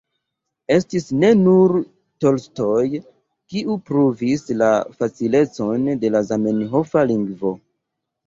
Estis ne nur Tolstoj, kiu pruvis la facilecon de la zamenhofa lingvo.